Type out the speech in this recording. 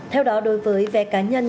theo đó đối với vé cá nhân